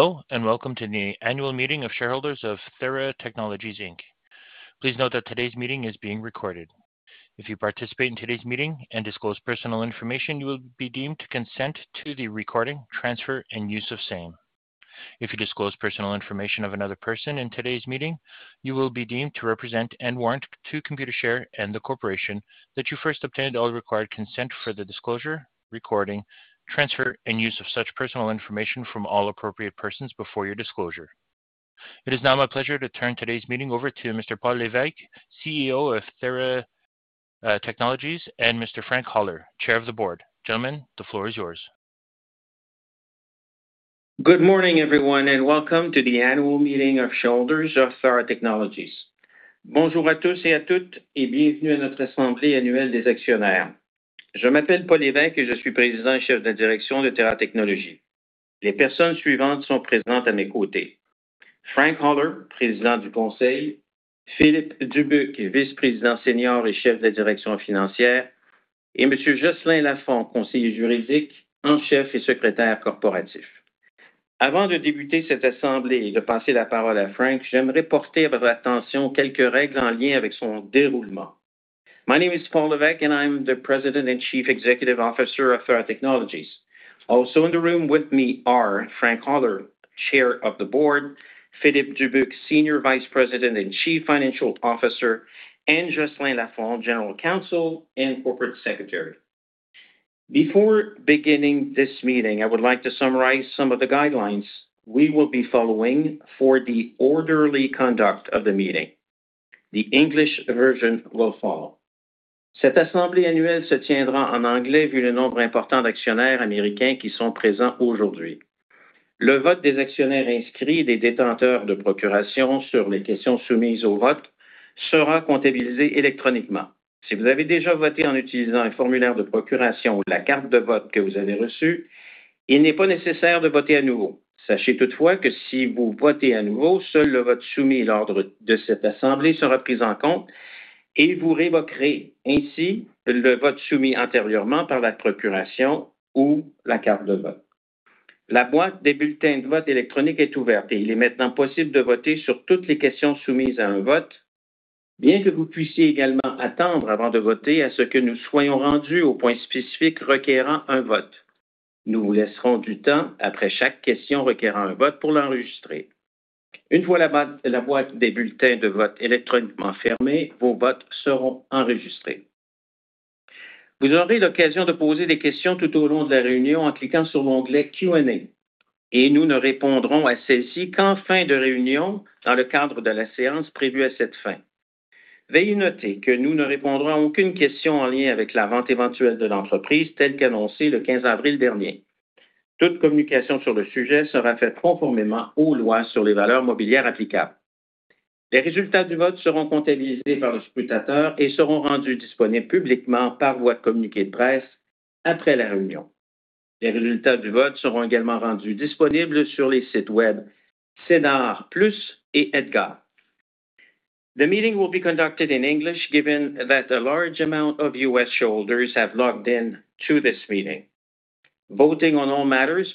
Hello, and welcome to the annual meeting of shareholders of Theratechnologies. Please note that today's meeting is being recorded. If you participate in today's meeting and disclose personal information, you will be deemed to consent to the recording, transfer, and use of same. If you disclose personal information of another person in today's meeting, you will be deemed to represent and warrant to Computershare and the corporation that you first obtained all required consent for the disclosure, recording, transfer, and use of such personal information from all appropriate persons before your disclosure. It is now my pleasure to turn today's meeting over to Mr. Paul Lévesque, CEO of Theratechnologies, and Mr. Frank Holler, Chair of the Board. Gentlemen, the floor is yours. Good morning, everyone, and welcome to the annual meeting of shareholders of Theratechnologies. Bonjour à tous et à toutes, et bienvenue à notre assemblée annuelle des actionnaires. Je m'appelle Paul Lévesque et je suis président et chef de la direction de Theratechnologies. Les personnes suivantes sont présentes à mes côtés: Frank Holler, président du conseil. Philippe Dubuc, vice-président senior et chef de la direction financière. Et Monsieur Jocelyn Laffont, conseiller juridique, en chef et secrétaire corporatif. Avant de débuter cette assemblée et de passer la parole à Frank, j'aimerais porter votre attention à quelques règles en lien avec son déroulement. My name is Paul Lévesque, and I am the President and Chief Executive Officer of Theratechnologies. Also in the room with me are Frank Holler, Chair of the Board. Philippe Dubuc, Senior Vice President and Chief Financial Officer. And Jocelyn Laffont, General Counsel and Corporate Secretary. Before beginning this meeting, I would like to summarize some of the guidelines we will be following for the orderly conduct of the meeting. The English version will follow. Cette assemblée annuelle se tiendra en anglais, vu le nombre important d'actionnaires américains qui sont présents aujourd'hui. Le vote des actionnaires inscrits et des détenteurs de procuration sur les questions soumises au vote sera comptabilisé électroniquement. Si vous avez déjà voté en utilisant un formulaire de procuration ou la carte de vote que vous avez reçue, il n'est pas nécessaire de voter à nouveau. Sachez toutefois que si vous votez à nouveau, seul le vote soumis à l'ordre de cette assemblée sera pris en compte, et vous révoquerez ainsi le vote soumis antérieurement par la procuration ou la carte de vote. La boîte des bulletins de vote électronique est ouverte, et il est maintenant possible de voter sur toutes les questions soumises à un vote, bien que vous puissiez également attendre avant de voter à ce que nous soyons rendus au point spécifique requérant un vote. Nous vous laisserons du temps après chaque question requérant un vote pour l'enregistrer. Une fois la boîte des bulletins de vote électroniquement fermée, vos votes seront enregistrés. Vous aurez l'occasion de poser des questions tout au long de la réunion en cliquant sur l'onglet Q&A, et nous ne répondrons à celles-ci qu'en fin de réunion, dans le cadre de la séance prévue à cette fin. Veuillez noter que nous ne répondrons à aucune question en lien avec la vente éventuelle de l'entreprise, telle qu'annoncée le 15 avril dernier. Toute communication sur le sujet sera faite conformément aux lois sur les valeurs mobilières applicables. Les résultats du vote seront comptabilisés par le scrutateur et seront rendus disponibles publiquement par voie de communiqué de presse après la réunion. Les résultats du vote seront également rendus disponibles sur les sites Web SEDAR+ et EDGAR. The meeting will be conducted in English, given that a large amount of U.S. shareholders have logged in to this meeting. Voting on all matters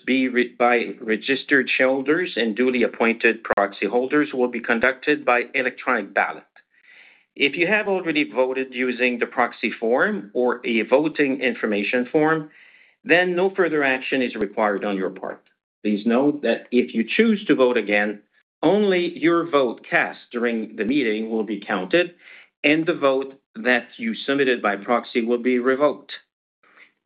by registered shareholders and duly appointed proxy holders will be conducted by electronic ballot. If you have already voted using the proxy form or a voting information form, then no further action is required on your part. Please note that if you choose to vote again, only your vote cast during the meeting will be counted, and the vote that you submitted by proxy will be revoked.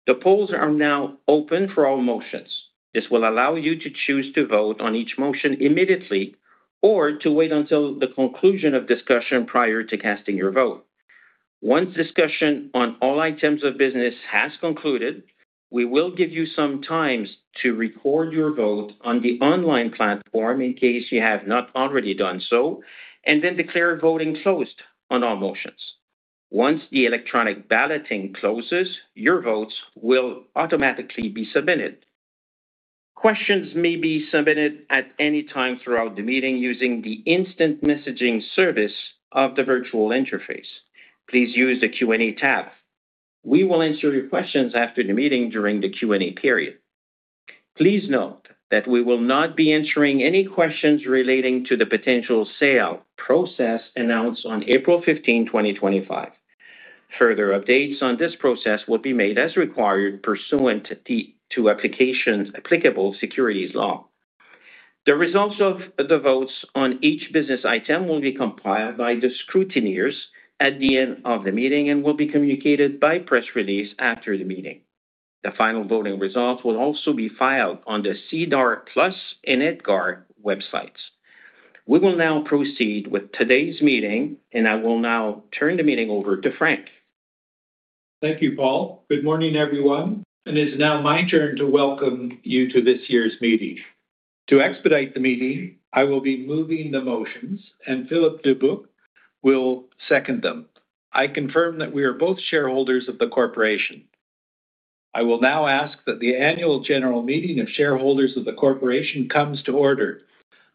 The polls are now open for all motions. This will allow you to choose to vote on each motion immediately or to wait until the conclusion of discussion prior to casting your vote. Once discussion on all items of business has concluded, we will give you some time to record your vote on the online platform in case you have not already done so, and then declare voting closed on all motions. Once the electronic balloting closes, your votes will automatically be submitted. Questions may be submitted at any time throughout the meeting using the instant messaging service of the virtual interface. Please use the Q&A tab. We will answer your questions after the meeting during the Q&A period. Please note that we will not be answering any questions relating to the potential sale process announced on April 15, 2025. Further updates on this process will be made as required pursuant to applicable securities law. The results of the votes on each business item will be compiled by the scrutineers at the end of the meeting and will be communicated by press release after the meeting. The final voting results will also be filed on the SEDAR+ and EDGAR websites. We will now proceed with today's meeting, and I will now turn the meeting over to Frank. Thank you, Paul. Good morning, everyone. It's now my turn to welcome you to this year's meeting. To expedite the meeting, I will be moving the motions, and Philippe Dubuc will second them. I confirm that we are both shareholders of the corporation. I will now ask that the annual general meeting of shareholders of the corporation comes to order.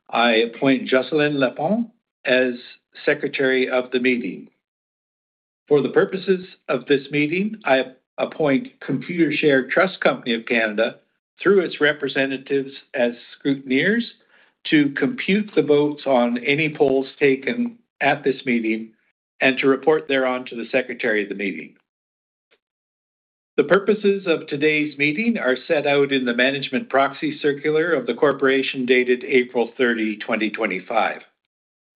I appoint Jocelyn Laffont as Secretary of the Meeting. For the purposes of this meeting, I appoint Computershare Trust Company of Canada through its representatives as scrutineers to compute the votes on any polls taken at this meeting and to report thereon to the Secretary of the Meeting. The purposes of today's meeting are set out in the management proxy circular of the corporation dated April 30, 2025.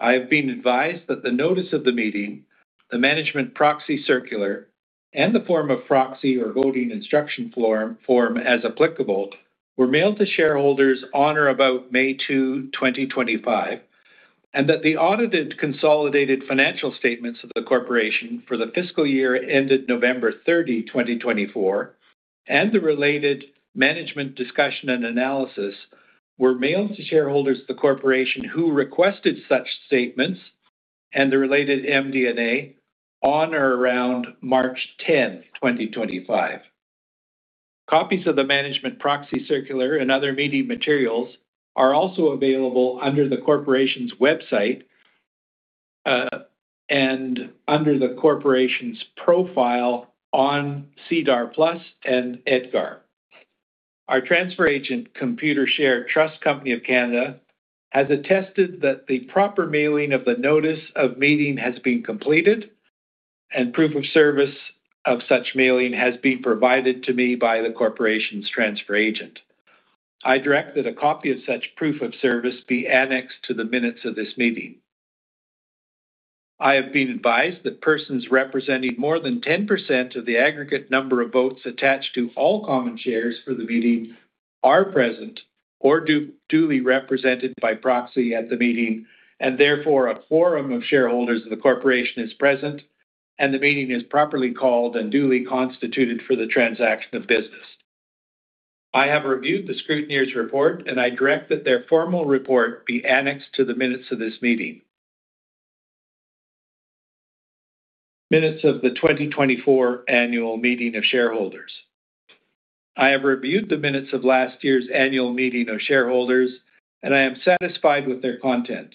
I have been advised that the notice of the meeting, the management proxy circular, and the form of proxy or voting instruction form, as applicable, were mailed to shareholders on or about May 2, 2025, and that the audited consolidated financial statements of the corporation for the fiscal year ended November 30, 2024, and the related management discussion and analysis were mailed to shareholders of the corporation who requested such statements and the related MD&A on or around March 10, 2025. Copies of the management proxy circular and other meeting materials are also available under the corporation's website and under the corporation's profile on SEDAR+ and EDGAR. Our transfer agent, Computershare Trust Company of Canada, has attested that the proper mailing of the notice of meeting has been completed and proof of service of such mailing has been provided to me by the corporation's transfer agent. I direct that a copy of such proof of service be annexed to the minutes of this meeting. I have been advised that persons representing more than 10% of the aggregate number of votes attached to all common shares for the meeting are present or duly represented by proxy at the meeting, and therefore a quorum of shareholders of the corporation is present, and the meeting is properly called and duly constituted for the transaction of business. I have reviewed the scrutineers' report, and I direct that their formal report be annexed to the minutes of this meeting. Minutes of the 2024 annual meeting of shareholders. I have reviewed the minutes of last year's annual meeting of shareholders, and I am satisfied with their content.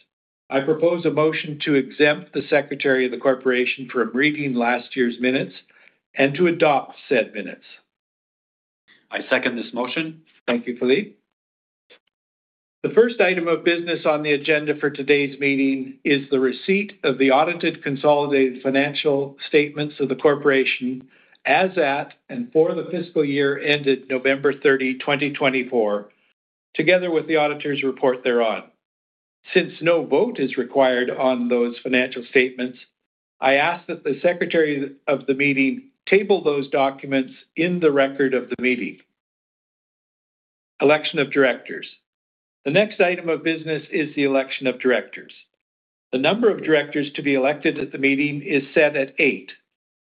I propose a motion to exempt the Secretary of the Corporation from reading last year's minutes and to adopt said minutes. I second this motion. Thank you, Philippe. The first item of business on the agenda for today's meeting is the receipt of the audited consolidated financial statements of the corporation as at and for the fiscal year ended November 30, 2024, together with the auditor's report thereon. Since no vote is required on those financial statements, I ask that the Secretary of the Meeting table those documents in the record of the meeting. Election of Directors. The next item of business is the election of directors. The number of directors to be elected at the meeting is set at eight,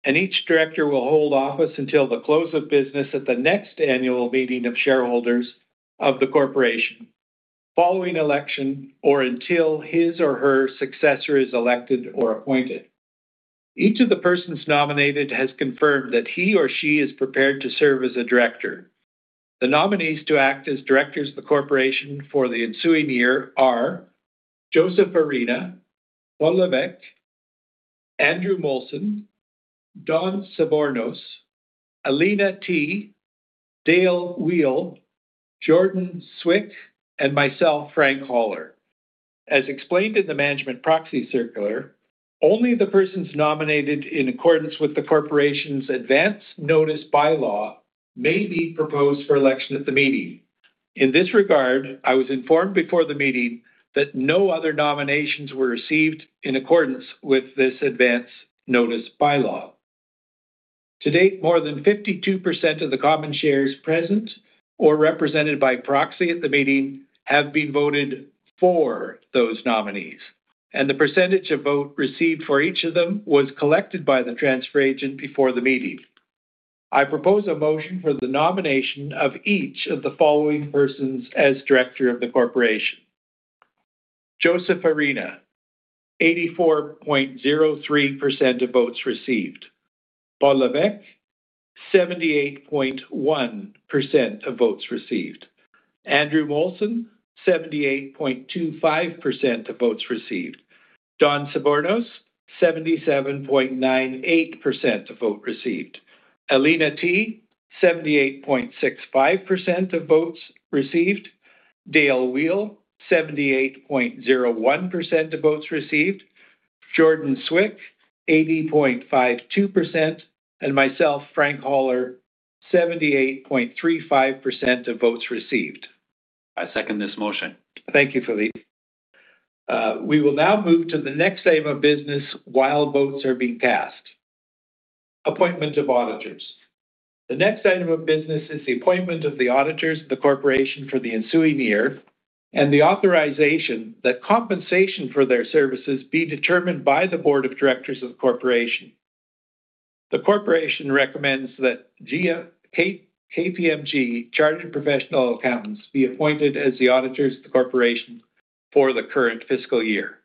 and each director will hold office until the close of business at the next annual meeting of shareholders of the corporation following election or until his or her successor is elected or appointed. Each of the persons nominated has confirmed that he or she is prepared to serve as a director. The nominees to act as directors of the corporation for the ensuing year are Joseph Arena, Paul Lévesque, Andrew Molson, Dawn Svoronos, Elene T., Dale Weil, Jordan Zwick, and myself, Frank Holler. As explained in the management proxy circular, only the persons nominated in accordance with the corporation's advance notice by law may be proposed for election at the meeting. In this regard, I was informed before the meeting that no other nominations were received in accordance with this advance notice by law. To date, more than 52% of the common shares present or represented by proxy at the meeting have been voted for those nominees, and the percentage of vote received for each of them was collected by the transfer agent before the meeting. I propose a motion for the nomination of each of the following persons as director of the corporation: Joseph Arena, 84.03% of votes received, Paul Lévesque, 78.1% of votes received, Andrew Molson, 78.25% of votes received, Dawn Svoronos, 77.98% of votes received, Elene T., 78.65% of votes received, Dale Weil, 78.01% of votes received, Jordan Zwick, 80.52%, and myself, Frank Holler, 78.35% of votes received. I second this motion. Thank you, Philippe. We will now move to the next item of business while votes are being cast: appointment of auditors. The next item of business is the appointment of the auditors of the corporation for the ensuing year and the authorization that compensation for their services be determined by the board of directors of the corporation. The corporation recommends that KPMG Chartered Professional Accountants be appointed as the auditors of the corporation for the current fiscal year.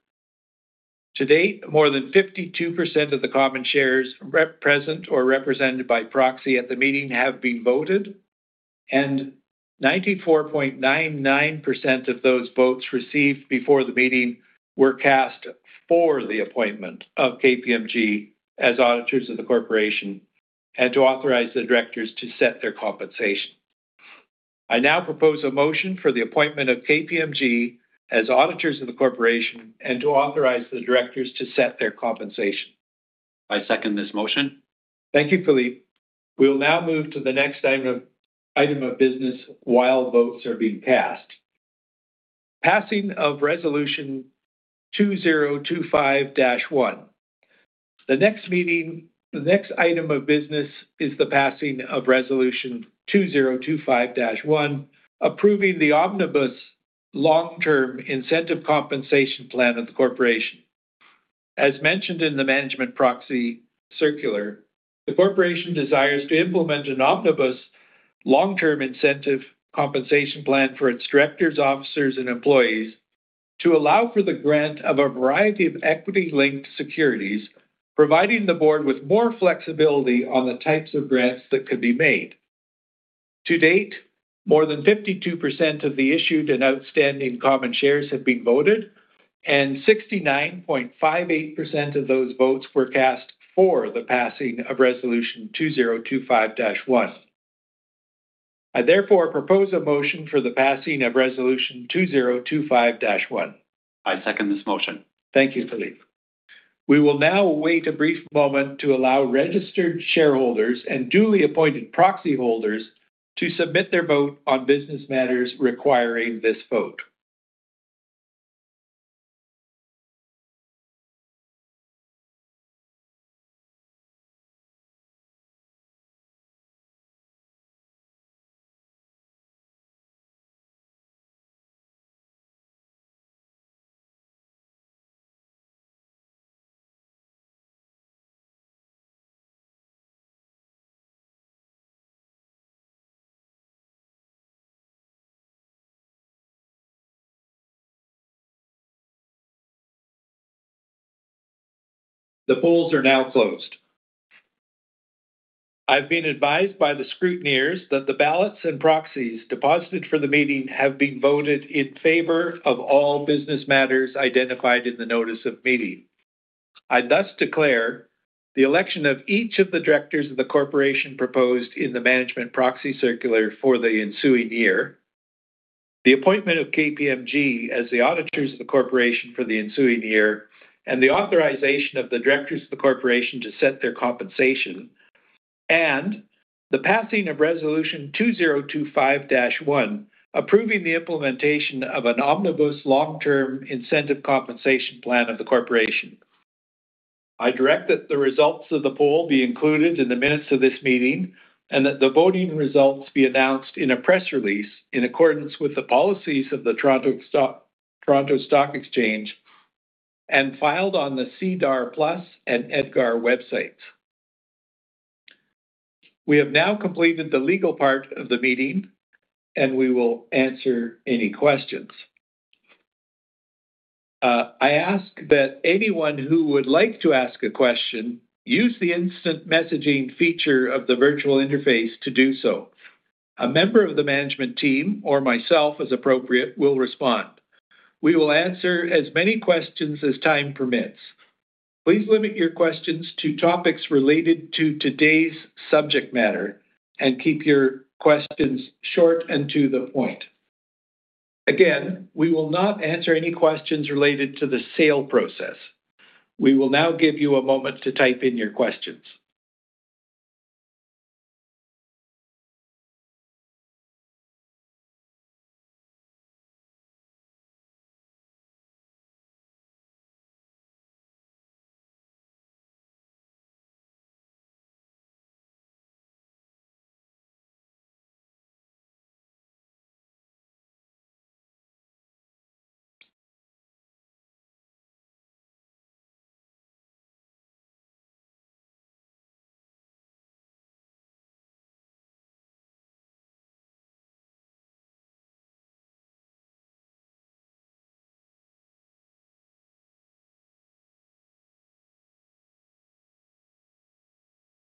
To date, more than 52% of the common shares present or represented by proxy at the meeting have been voted, and 94.99% of those votes received before the meeting were cast for the appointment of KPMG as auditors of the corporation and to authorize the directors to set their compensation. I now propose a motion for the appointment of KPMG as auditors of the corporation and to authorize the directors to set their compensation. I second this motion. Thank you, Philippe. We will now move to the next item of business while votes are being cast: passing of Resolution 2025-1. The next item of business is the passing of Resolution 2025-1, approving the omnibus long-term incentive compensation plan of the corporation. As mentioned in the management proxy circular, the corporation desires to implement an omnibus long-term incentive compensation plan for its directors, officers, and employees to allow for the grant of a variety of equity-linked securities, providing the board with more flexibility on the types of grants that could be made. To date, more than 52% of the issued and outstanding common shares have been voted, and 69.58% of those votes were cast for the passing of Resolution 2025-1. I therefore propose a motion for the passing of Resolution 2025-1. I second this motion. Thank you, Philippe. We will now await a brief moment to allow registered shareholders and duly appointed proxy holders to submit their vote on business matters requiring this vote. The polls are now closed. I have been advised by the scrutineers that the ballots and proxies deposited for the meeting have been voted in favor of all business matters identified in the notice of meeting. I thus declare the election of each of the directors of the corporation proposed in the management proxy circular for the ensuing year, the appointment of KPMG as the auditors of the corporation for the ensuing year, and the authorization of the directors of the corporation to set their compensation, and the passing of Resolution 2025-1, approving the implementation of an omnibus long-term incentive compensation plan of the corporation. I direct that the results of the poll be included in the minutes of this meeting and that the voting results be announced in a press release in accordance with the policies of the Toronto Stock Exchange and filed on the SEDAR+ and EDGAR websites. We have now completed the legal part of the meeting, and we will answer any questions. I ask that anyone who would like to ask a question use the instant messaging feature of the virtual interface to do so. A member of the management team or myself, as appropriate, will respond. We will answer as many questions as time permits. Please limit your questions to topics related to today's subject matter and keep your questions short and to the point. Again, we will not answer any questions related to the sale process. We will now give you a moment to type in your questions.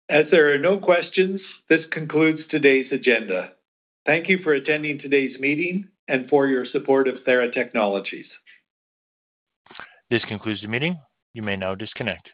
As there are no questions, this concludes today's agenda. Thank you for attending today's meeting and for your support of Theratechnologies. This concludes the meeting. You may now disconnect.